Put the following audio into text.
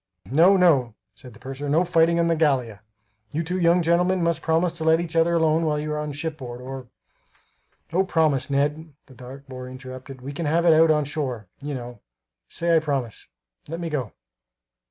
"No, no," said the purser; "no fighting on the Gallia. You two young gentlemen must promise to let each other alone while you are on shipboard or" "O, promise, Ned," the dark boy interrupted, "we can have it out onshore, you know! Say, I promise, let me go."